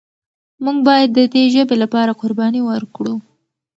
موږ باید د دې ژبې لپاره قرباني ورکړو.